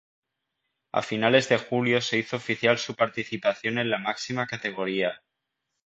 A fines de julio se hizo oficial su participación en la máxima categoría.